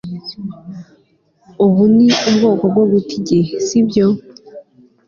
ubu ni ubwoko bwo guta igihe, sibyo